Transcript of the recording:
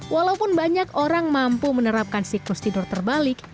walaupun banyak orang mampu menerapkan siklus tidur terbalik